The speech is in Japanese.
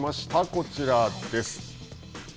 こちらです。